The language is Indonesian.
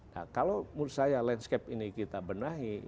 nah kalau menurut saya landscape ini kita benahi